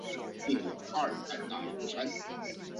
当时他们租住在镇上和周边的一系列出租屋里。